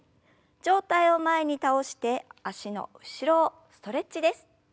上体を前に倒して脚の後ろをストレッチです。